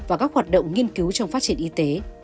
và các hoạt động nghiên cứu trong phát triển y tế